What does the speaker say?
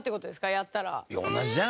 やったら。